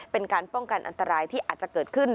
เป็นการป้องกันอันตรายที่อาจจะเกิดขึ้น